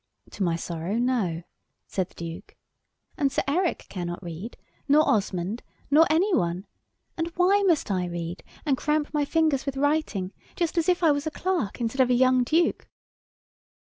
"To my sorrow, no," said the Duke. "And Sir Eric cannot read, nor Osmond, nor any one, and why must I read, and cramp my fingers with writing, just as if I was a clerk, instead of a young Duke?"